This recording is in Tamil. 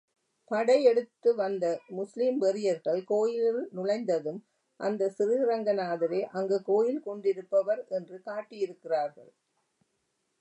படை எடுத்து வந்த முஸ்லிம் வெறியர்கள் கோயிலுள் நுழைந்ததும் அந்தச் சிறுரங்கநாதரே அங்கு கோயில் கொண்டிருப்பவர் என்று காட்டியிருக்கிறார்கள்.